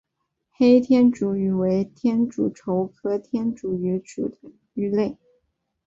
黑天竺鱼为天竺鲷科天竺鱼属的鱼类。